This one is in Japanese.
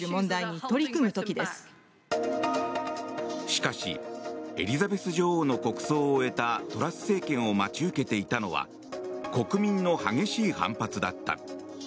しかし、エリザベス女王の国葬を終えたトラス政権を待ち受けていたのは国民の激しい反発だった。